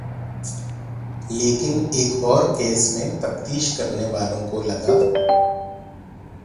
لیکن ایک اور کیس میں تفتیش کرنے والوں کو لگا